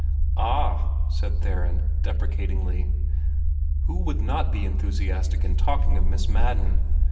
"Ah," said Theron, deprecatingly, "who would not be enthusiastic in talking of Miss Madden?